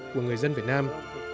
của người dân việt nam